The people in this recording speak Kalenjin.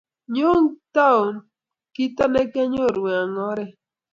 Nyoo tobwn kito ne koanyoru wng' oret